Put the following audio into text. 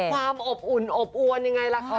ความอบอุ่นอบอวนยังไงล่ะค่ะ